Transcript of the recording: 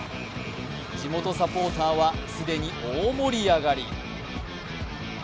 地元サポーターは既に大盛り上がり。